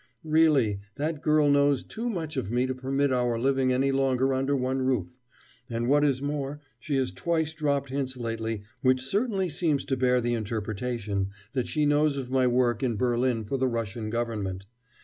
Really, that girl knows too much of me to permit of our living any longer under one roof; and, what is more, she has twice dropped hints lately which certainly seem to bear the interpretation that she knows of my work in Berlin for the Russian Government.